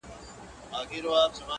o د ټپې په رزم اوس هغه ده پوه سوه.